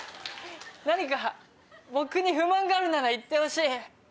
何か僕に不満があるなら言ってほしい。